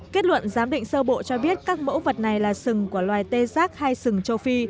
kết luận giám định sơ bộ cho biết các mẫu vật này là sừng của loài tê giác hay sừng châu phi